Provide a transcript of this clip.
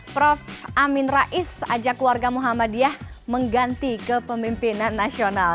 prof amin rais ajak keluarga muhammadiyah mengganti ke pemimpinan nasional